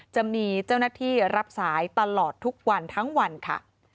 จะมีเจ้าหน้าที่รับสายตลอดทุกวันทั้งวันค่ะ